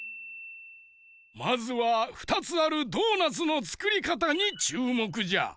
まずは２つあるドーナツのつくりかたにちゅうもくじゃ。